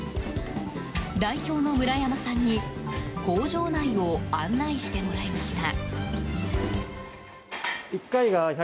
代表の村山さんに工場内を案内してもらいました。